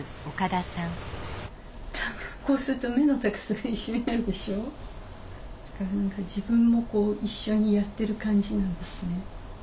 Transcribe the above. だから何か自分もこう一緒にやってる感じなんですね。